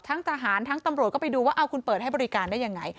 ทั้งทหารทั้งตำรวจก็ไปดูว่าคุณเปิดให้บริการได้ยังไง